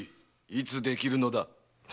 いつできるのだ？